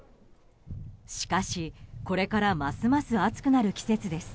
しかしこれからますます暑くなる季節です。